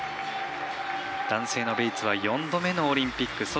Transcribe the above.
男性のベイツは４度目のオリンピック。